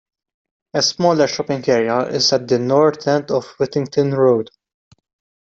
A smaller shopping area is at the north end of Whittington Road.